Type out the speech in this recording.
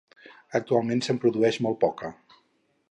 Actualment se'n produeix molt poca.